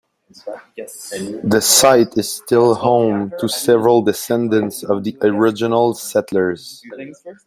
The site is still home to several descendants of the original settlers.